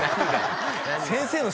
先生